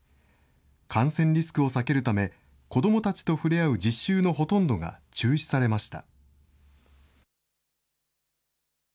感染リスクを避けるため、子どもたちと触れ合う実習のほとんどが中止されました。